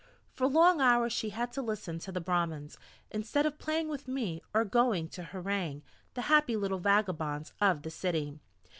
For long hours she had to listen to the Brahmans, instead of playing with me, or going to harangue the happy little vagabonds of the city.